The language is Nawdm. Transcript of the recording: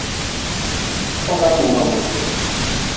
Foga mooga mooti.